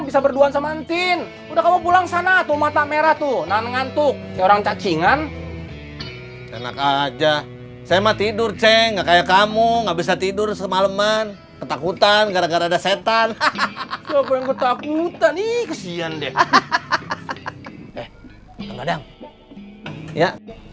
sampai jumpa di video selanjutnya